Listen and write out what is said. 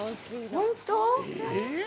本当？